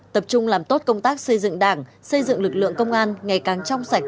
tập trung làm tốt công tác xây dựng đảng xây dựng lực lượng công an ngày càng trong sạch